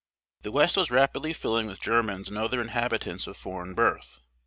The West was rapidly filling with Germans and other inhabitants of foreign birth.